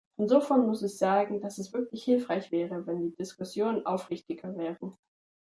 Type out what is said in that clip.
Insofern muss ich sagen, dass es wirklich hilfreich wäre, wenn die Diskussionen aufrichtiger wären.